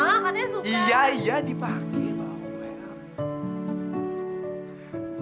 ah katanya suka